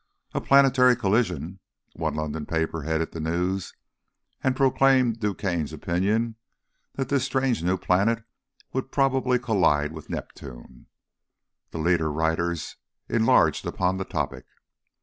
"A Planetary Collision," one London paper headed the news, and proclaimed Duchaine's opinion that this strange new planet would probably collide with Neptune. The leader writers enlarged upon the topic.